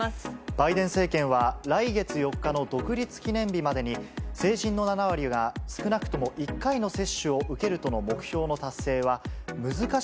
バイデン政権は、来月４日の独立記念日までに、成人の７割が少なくとも１回の接種を受けるとの目標の達成は難し